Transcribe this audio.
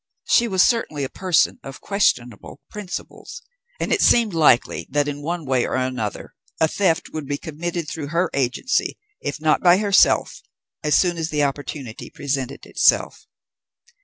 She was certainly a person of questionable principles, and it seemed likely that in one way or another a theft would be committed through her agency, if not by herself, as soon as the opportunity presented itself.